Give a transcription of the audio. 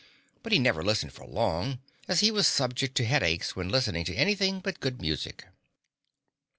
But he never listened for long, as he was subject to headaches when listening to anything but good music.